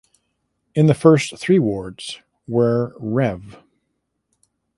In the first three wards where Rev.